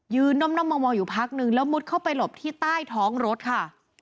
น่อมมองอยู่พักนึงแล้วมุดเข้าไปหลบที่ใต้ท้องรถค่ะ